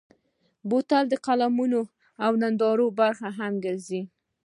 بوتل د فلمونو او نندارو برخه هم ګرځي.